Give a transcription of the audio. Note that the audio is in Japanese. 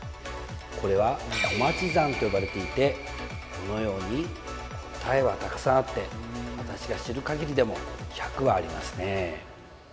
これは小町算と呼ばれていてこのように答えはたくさんあって私が知るかぎりでも１００はありますね。